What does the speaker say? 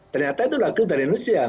ternyata itu lagu dari indonesia